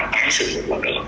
tái sự một lần nữa